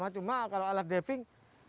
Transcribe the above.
cuma kalau alat diving